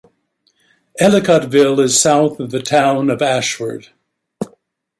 Ellicottville is south of the town of Ashford.